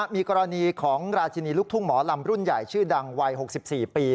มีกรณีของราชินีลูกทุ่งหมอลำรุ่นใหญ่ชื่อดังวัย๖๔ปี